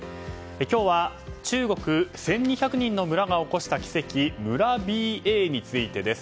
今日は中国１２００人の村が起こした奇跡村ＢＡについてです。